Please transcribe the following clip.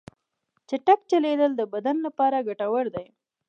چټک چلیدل د بدن لپاره ګټور دي.